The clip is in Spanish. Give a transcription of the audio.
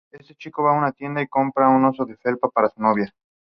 El chico va una tienda y compra un oso de felpa para su novia.